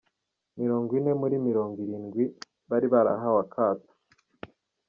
Mirongo ine muri mirongo irindwi bari barahawe akato